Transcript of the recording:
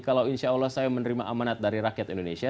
kalau insya allah saya menerima amanat dari rakyat indonesia